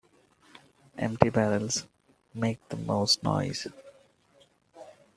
Empty barrels make the most noise.